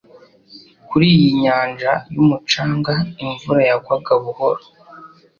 Kuri iyi nyanja yumucanga imvura yagwaga buhoro